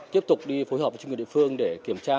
tiếp tục đi phối hợp với chương trình địa phương để kiểm tra